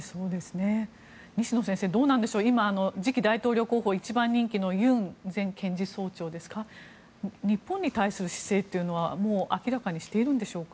西野先生、どうでしょう今、次期大統領候補一番人気のユン前検事総長ですが日本に対する姿勢は明らかにしているんでしょうか。